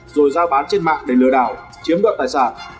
rồi giao bán trên mạng để lừa đảo chiếm đoạt tài sản